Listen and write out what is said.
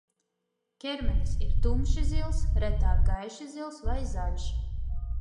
Ķermenis ir tumši zils, retāk gaiši zils vai zaļš.